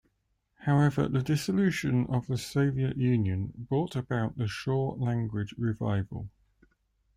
However, the dissolution of the Soviet Union brought about the Shor language revival.